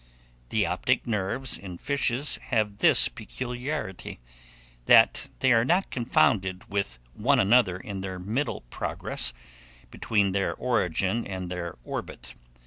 The optic nerves in fishes have this peculiarity, that they are not confounded with one another in their middle progress between their origin and their orbit.